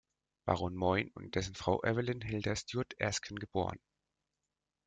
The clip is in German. Baron Moyne, und dessen Frau Evelyn Hilda Stuart Erskine geboren.